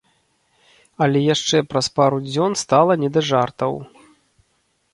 Але яшчэ праз пару дзён стала не да жартаў.